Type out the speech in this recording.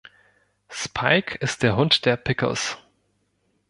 Spike ist der Hund der Pickles.